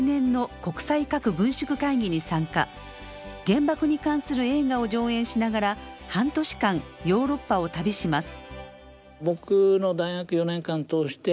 原爆に関する映画を上演しながら半年間ヨーロッパを旅します。